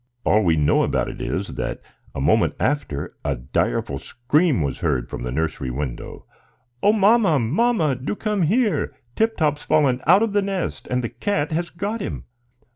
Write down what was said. All we know about it is, that a moment after a direful scream was heard from the nursery window. "O mamma, mamma, do come here! Tip Top's fallen out of the nest, and the cat has got him!"